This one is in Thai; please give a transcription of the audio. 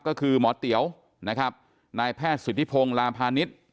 ก็คือหมอเตี๋ยวนะครับนายแพทย์สุธิพงศ์ลาพาณิชย์